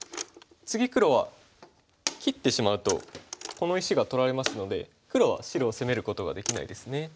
次黒は切ってしまうとこの石が取られますので黒は白を攻めることができないですね。